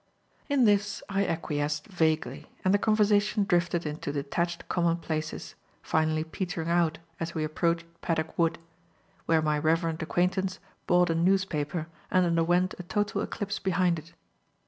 In this I acquiesced vaguely, and the conversation drifted into detached commonplaces, finally petering out as we approached Paddock Wood; where my reverend acquaintance bought a newspaper and underwent a total eclipse behind it.